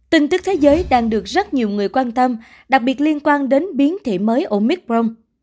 tình tức thế giới đang được rất nhiều người quan tâm đặc biệt liên quan đến biến thể mới omicron